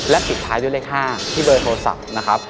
ปิดท้ายด้วยเลข๕ที่เบอร์โทรศัพท์นะครับ